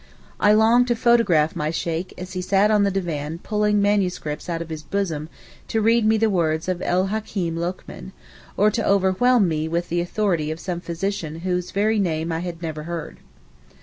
I longed to photograph my Sheykh as he sat on the divan pulling MSS. out of his bosom to read me the words of El Hakeem Lokman, or to overwhelm me with the authority of some physician whose very name I had never heard.